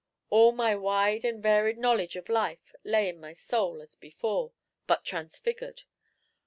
All my wide and varied knowledge of life lay in my soul as before, but transfigured.